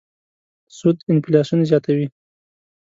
سود انفلاسیون زیاتوي.